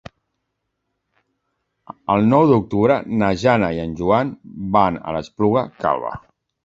El nou d'octubre na Jana i en Joan van a l'Espluga Calba.